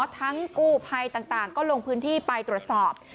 กู้ภัยต่างก็ลงพื้นที่ไปตรวจสอบ